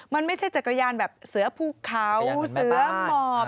มันไม่ใช่จักรยานแบบเสือภูเขาเสือหมอบ